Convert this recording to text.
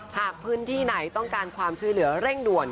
หากพื้นที่ไหนต้องการความช่วยเหลือเร่งด่วน